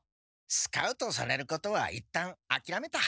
スカウトされることはいったんあきらめた。